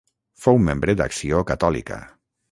Fou membre d'Acció Catòlica.